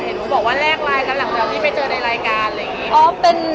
คุณเป็นใครอีกการที่มันแรกลายกันหลังตาที่ไปเจอในรายการ